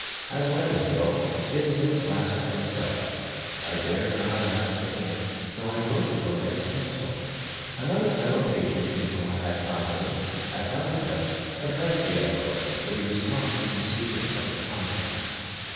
As letters go, it is in a class by itself. I dared not ask for ink, so I wrote with a lead pencil. Another fellow patient in whom I had confidence, at my request, addressed the envelope; but he was not in the secret of its contents.